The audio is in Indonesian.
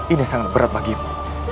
ini sangat berat bagimu